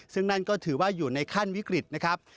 ซึ่งนั่นก็ถือว่าอยู่ในขั้นวิกฤตนะครับ